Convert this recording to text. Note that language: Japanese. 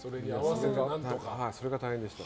それが大変でした。